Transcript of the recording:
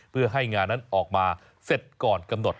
เพื่อให้งานนั้นออกมาเสร็จก่อนกำหนด